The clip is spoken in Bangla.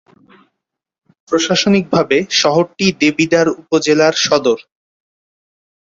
প্রশাসনিকভাবে শহরটি দেবিদ্বার উপজেলার সদর।